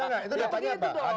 gak itu datanya apa